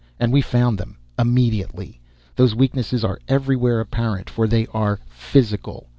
And we found them, immediately. Those weaknesses are everywhere apparent, for they are physical.